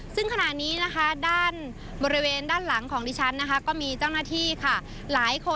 ซึ่งขณะนี้นะคะด้านบริเวณด้านหลังของดิฉันนะคะก็มีเจ้าหน้าที่ค่ะหลายคน